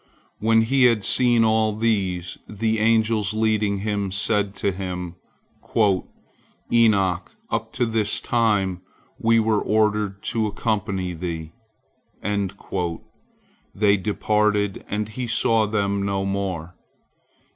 When he had seen all these, the angels leading him said to him, "Enoch, up to this time we were ordered to accompany thee." They departed, and he saw them no more.